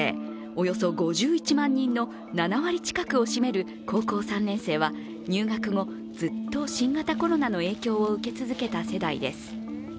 およそ５１万人の７割近くを占める高校３年生は入学後ずっと新型コロナの影響を受け続けた世代です。